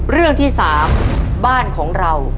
เรื่องที่๓บ้านของเรา